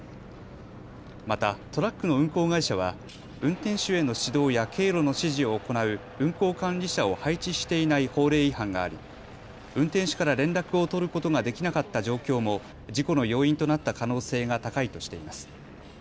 また、トラックの運行会社は運転手への指導や経路の指示を行う運行管理者を配置していない法令違反があり運転手から連絡を取ることができなかった状況も事故の要因となった可能性が高いとしています。